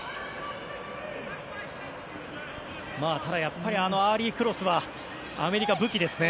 ただやっぱりアーリークロスはアメリカの武器ですね。